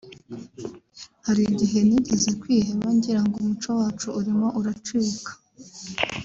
Hari igihe nigeze kwiheba ngirango umuco wacu urimo uracika